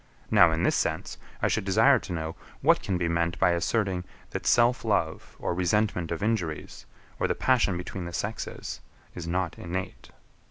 Now in this sense, I should desire to know, what can be meant by asserting, that self love, or resentment of injuries, or the passion between the sexes is not innate?